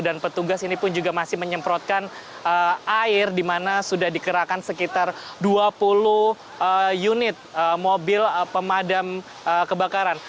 dan petugas ini pun juga masih menyemprotkan air di mana sudah dikerahkan sekitar dua puluh unit mobil pemadam kebakaran